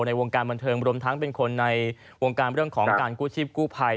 ในวงการบันเทิงรวมทั้งเป็นคนในวงการเรื่องของการกู้ชีพกู้ภัย